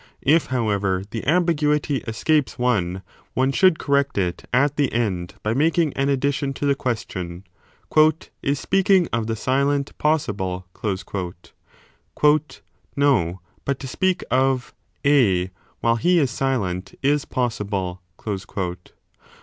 If, however, the ambiguity escapes one, one should 25 correct it at the end by making an addition to the ques tion : Is speaking of the silent possible ? No, but to speak of A while he is silent is possible.